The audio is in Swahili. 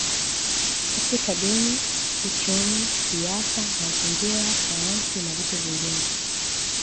Katika Dini Uchumi Siasa Mazingira Sayansi na vitu vingine